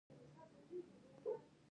دوی د تیلو او بریښنا مسوول دي.